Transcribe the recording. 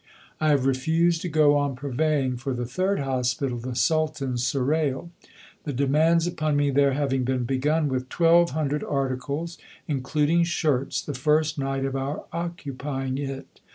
I have refused to go on purveying for the third Hospital, the Sultan's Serail the demands upon me there having been begun with twelve hundred articles, including shirts, the first night of our occupying it.